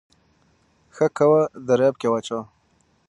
ښه کوه دریاب کې واچوه